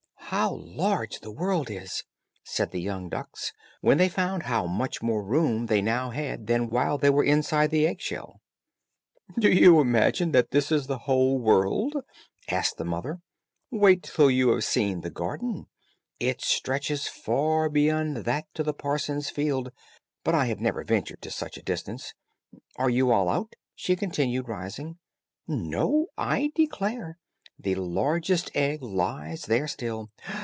"How large the world is," said the young ducks, when they found how much more room they now had than while they were inside the egg shell. "Do you imagine this is the whole world?" asked the mother; "Wait till you have seen the garden; it stretches far beyond that to the parson's field, but I have never ventured to such a distance. Are you all out?" she continued, rising; "No, I declare, the largest egg lies there still.